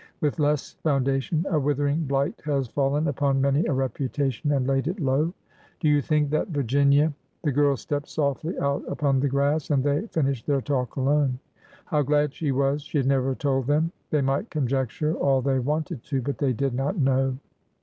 With less foun dation, a withering blight has fallen upon many a reputa tion and laid it low. '' Do you think that Virginia—'' The girl stepped softly out upon the grass, and they finished their talk alone. How glad she was she had never told them! They might conjecture all they wanted to, but they did not know!